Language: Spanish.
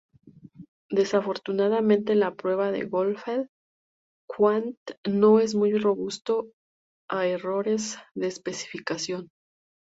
Desafortunadamente la prueba Goldfeld-Quandt no es muy robusto a errores de especificación.